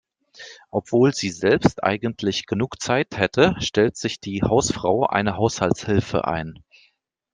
Obwohl sie selbst eigentlich genug Zeit hätte, stellt sich die Hausfrau eine Haushaltshilfe ein.